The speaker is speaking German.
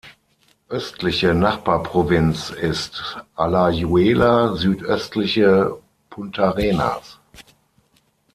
Östliche Nachbarprovinz ist Alajuela, südöstliche Puntarenas.